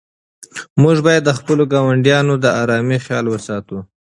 موږ باید د خپلو ګاونډیانو د آرامۍ خیال وساتو.